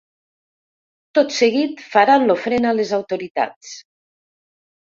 Tot seguit, faran l’ofrena les autoritats.